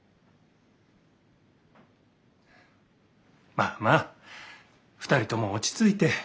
まあまあ２人とも落ち着いて。